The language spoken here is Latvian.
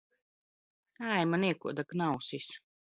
Ai, man iekoda knausis!